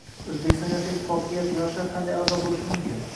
O‘zbekiston yoshlar ittifoqiga yoshlar qanday a’zo bo‘lishi mumkin?